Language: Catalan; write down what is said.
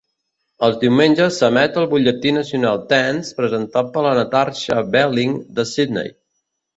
Els diumenges s"emet el butlletí nacional Ten"s, presentat per la Natarsha Belling de Sydney.